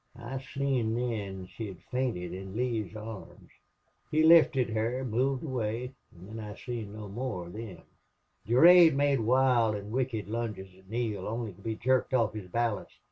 "I seen thin she hed fainted in Lee's arms. He lifted her moved away an' thin I seen no more of thim. "Durade made wild an' wicked lunges at Neale, only to be jerked off his balance.